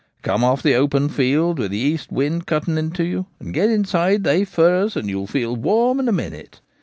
Come off the open field with the east wind cutting into you, and get inside they firs and you'll feel warm in a minute.